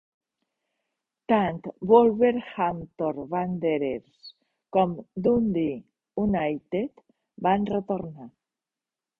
Tant Wolverhampton Wanderers com Dundee United van retornar.